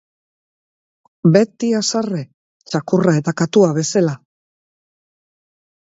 Beti haserre, txakurra eta katua bezala.